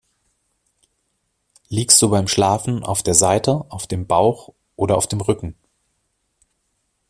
Liegst du beim Schlafen auf der Seite, auf dem Bauch oder auf dem Rücken?